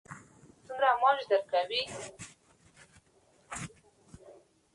ننګرهار د افغانستان طبعي ثروت دی.